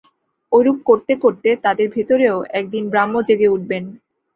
ঐরূপ করতে করতে তাদের ভেতরেও একদিন ব্রহ্ম জেগে উঠবেন।